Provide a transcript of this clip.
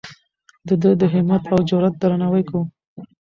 د ده د همت او جرئت درناوی کوو.